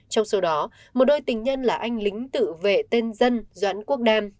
trong số đó một đôi tình nhân là anh lính tự vệ tên dân doãn quốc nam